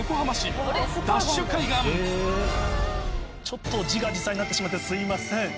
ちょっと自画自賛になってしまってすいません。